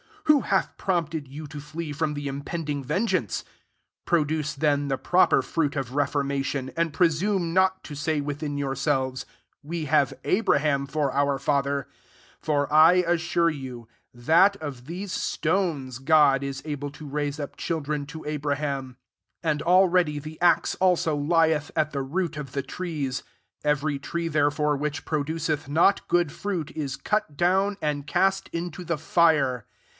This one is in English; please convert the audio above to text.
who hath prompted you to iee from the impending ven geance? 8 Produce then the pro per fruit of reformation ; 9 and presume not to say within your* selves, * We have Abraham /or our &ther :' for I assure you, that of these stones God is abla to raise up children to Abraham* 10 And already the axe [also} lieth at the root of the trees t every tree therefore which pro duceth not good fruit i3 cut down, and cast into the fire.